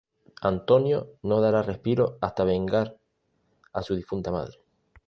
Antonio no dará respiro hasta vengar a su difunta madre.